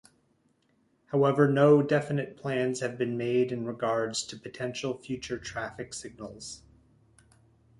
However, no definite plans have been made in regards to potential future traffic signals.